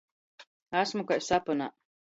Asmu kai sapynā!